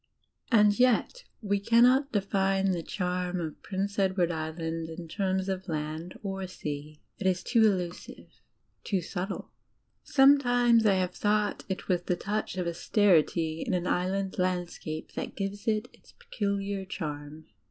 And yet we cannot define the charm of Prince Edward Island in terms of land or sea. It is too elusive hk> subtle. Sometimes I have thought it was the touch of austerity in an Island landscape that gives it its peculiar charm.